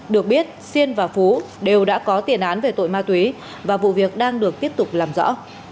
được biết siên và phú đều đã có tiền án về tội ma túy và vụ việc đang được tiếp tục làm rõ